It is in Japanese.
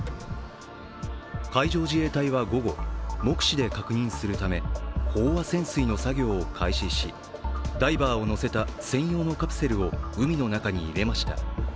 海上自衛隊は午後、目視で確認するため飽和潜水の作業を開始しダイバーをのせた専用のカプセルを海の中に入れました。